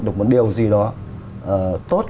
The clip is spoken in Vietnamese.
được một điều gì đó tốt